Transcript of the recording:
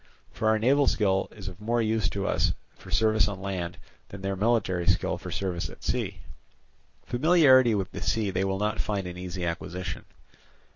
For our naval skill is of more use to us for service on land, than their military skill for service at sea. Familiarity with the sea they will not find an easy acquisition.